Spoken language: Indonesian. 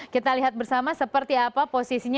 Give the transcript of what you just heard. kita lihat bersama seperti apa posisinya